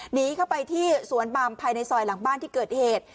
หนีเข้าไปที่สวนปามภายในซอยหลังบ้านที่เกิดเหตุ